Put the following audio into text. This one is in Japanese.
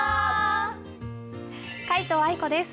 皆藤愛子です。